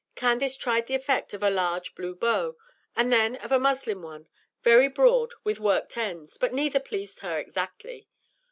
Candace tried the effect of a large blue bow, and then of a muslin one, very broad, with worked ends; but neither pleased her exactly.